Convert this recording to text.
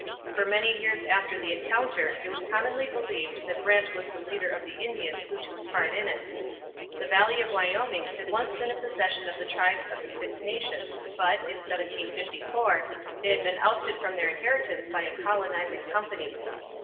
For many years after the encounter it was commonly believed that Brant was the leader of the Indians who took part in it. The valley of Wyoming had once been a possession of the tribes of the Six Nations but, in 1754, they had been ousted from their inheritance by a colonizing company.